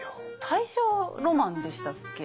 大正ロマンでしたっけ？